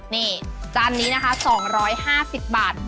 นี่จานนี้นะคะ๒๕๐บาท